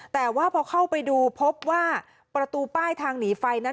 แต่ว่าพอเข้าไปดูพบว่าประตูป้ายทางหนีไฟนั้น